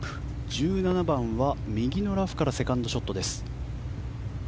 １７番は右のラフからセカンドショットです。